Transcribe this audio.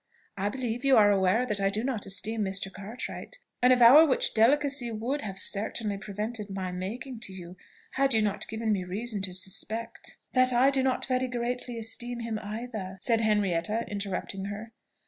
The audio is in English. I believe you are aware that I do not esteem Mr. Cartwright: an avowal which delicacy would have certainly prevented my making to you, had you not given me reason to suspect "" That I do not very greatly esteem him either," said Henrietta, interrupting her.